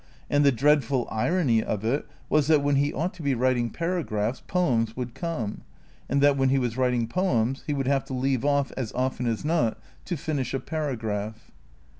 And the dreadful irony of it was that when he ought to be writing paragraphs, poems would come; and that when he was writing poems he would have to leave off, as often as not, to finish a paragraph.